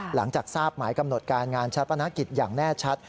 หลังจากทราบหมายกำหนดการงานชาปนกิจอย่างแน่ชัด